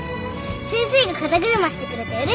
先生が肩車してくれてうれしかった。